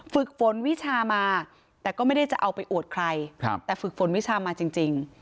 ฝึกฝนวิชามาแต่ก็ไม่ได้จะเอาไปอวดใครแต่ฝึกฝนวิชามาจริง